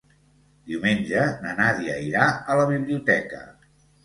Diumenge na Nàdia irà a la biblioteca.